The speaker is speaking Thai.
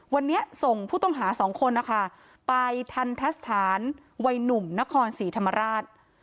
วันนี้ส่งผู้ต้องหาสองคนนะคะไปทันทะสถานวัยหนุ่มนครศรีธรรมราช